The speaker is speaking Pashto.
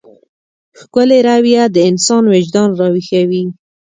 ښکلې رويه د انسان وجدان راويښوي.